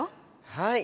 はい。